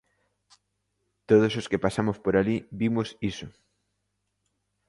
Todos os que pasamos por alí vimos iso.